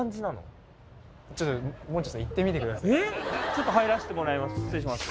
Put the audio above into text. ちょっと入らせてもらいます失礼します。